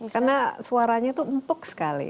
karena suaranya tuh empuk sekali